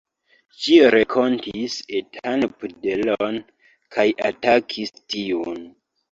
Ĝi renkontis etan pudelon kaj atakis tiun.